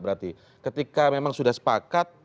berarti ketika memang sudah sepakat